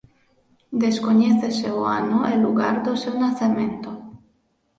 Descoñécese o ano e lugar do seu nacemento.